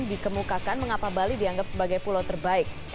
dikemukakan mengapa bali dianggap sebagai pulau terbaik